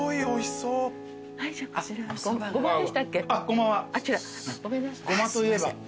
おいしそうごま。